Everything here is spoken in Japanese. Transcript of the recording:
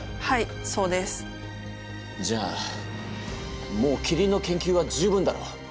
はいそうです。じゃあもうキリンの研究は十分だろ。